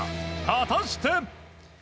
果たして？